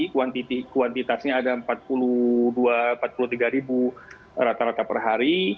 kuantitasnya ada empat puluh dua empat puluh tiga ribu rata rata per hari